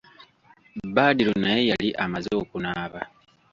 Badru naye yali amaze okunaaba.